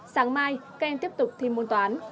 sáng mai các em tiếp tục thi môn toán